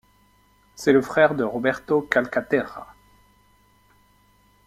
C'est le frère de Roberto Calcaterra.